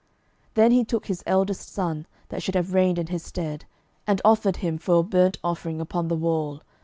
12:003:027 Then he took his eldest son that should have reigned in his stead, and offered him for a burnt offering upon the wall.